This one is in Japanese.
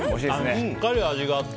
しっかり味があって。